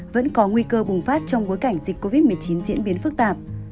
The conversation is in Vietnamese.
vẫn có nguy cơ bùng phát trong bối cảnh dịch covid một mươi chín diễn biến phức tạp